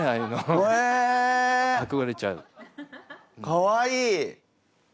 かわいい！